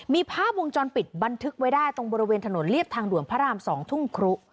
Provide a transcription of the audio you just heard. มีภาพวงจรปิดบันทึกไว้ได้ตรงบริเวณถนนเรียบทางด่วนพระราม๒ทุ่งครุ